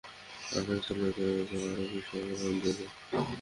আর এ স্থলে তো তা আরও বেশি অগ্রহণযোগ্য।